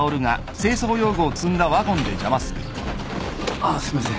あっすいません。